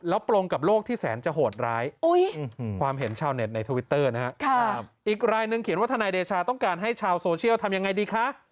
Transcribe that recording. แล้วตรงกับโลกที่แสนจะโหดร้ายความเห็นชาวเน็ตในทวิตเตอร์นะครับอีกรายหนึ่งเขียนว่าทนายเดชาต้องการให้ชาวโซเชียลทำยังไงดีคะ